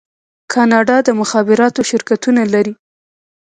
کاناډا د مخابراتو شرکتونه لري.